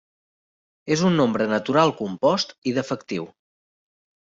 És un nombre natural compost i defectiu.